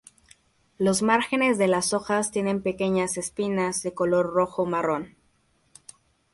Los márgenes de las hojas tienen pequeñas espinas de color rojo marrón.